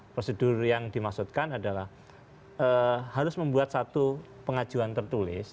prosedur yang dimaksudkan adalah harus membuat satu pengajuan tertulis